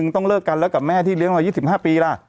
ต้องเลิกกันแล้วกับแม่ที่เลี้ยงมา๒๕ปีล่ะ